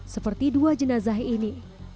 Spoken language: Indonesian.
seperti dua jenazah ini